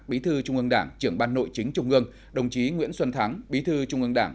bí thư trung ương đảng trưởng ban nội chính trung ương đồng chí nguyễn xuân thắng bí thư trung ương đảng